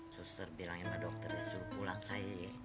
suster bilangin sama dokter ya suruh pulang shay